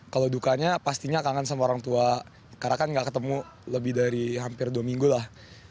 kalau dukanya pastinya kangen sama orang tua karena kan gak ketemu lebih dari hampir dua minggu lah